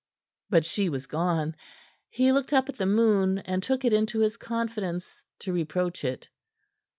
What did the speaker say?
But she was gone. He looked up at the moon, and took it into his confidence to reproach it.